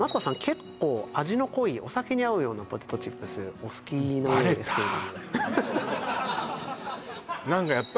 結構味の濃いお酒に合うようなポテトチップスお好きのようですけれどもバレた？